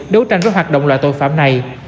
đấu tranh với hoạt động loại tội phạm này